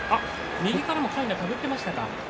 右からもかいな手繰ってましたか。